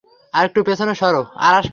আরেকটু পেছনে সরো।